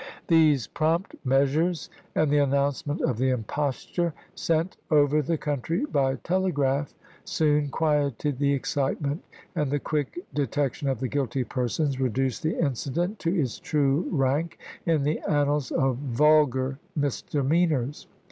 These prompt measures and the announcement of the imposture sent over the country by telegraph soon quieted the excitement, and the quick detec tion of the guilty persons reduced the incident to it's true rank in the annals of vulgar misdemeanors.